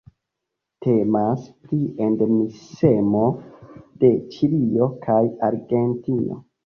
Temas pri endemismo de Ĉilio kaj Argentino.